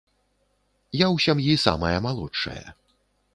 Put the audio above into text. Я ў сям'і самая малодшая.